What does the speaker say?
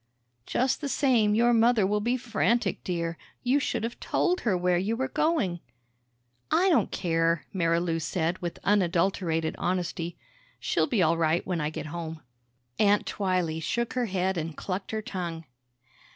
"Just the same, your mother will be frantic, dear. You should have told her where you were going." "I don't care," Marilou said with unadulterated honesty. "She'll be all right when I get home." Aunt Twylee shook her head and clucked her tongue.